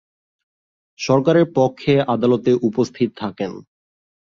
সরকারের পক্ষে আদালতে উপস্থিত থাকেন।